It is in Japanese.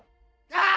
ああ！